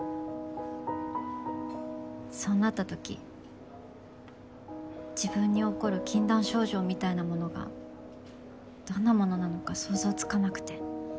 そうなったとき自分に起こる禁断症状みたいなものがどんなものなのか想像つかなくて。